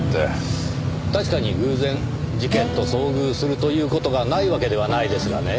確かに偶然事件と遭遇するという事がないわけではないですがね